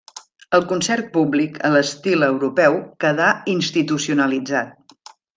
El concert públic a l'estil europeu queda institucionalitzat.